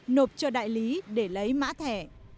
nộp cho đại lý để lấy mã thẻ